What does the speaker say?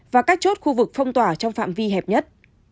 và các chốt khu vực phong tỏa trong phạm vi hẹp nhất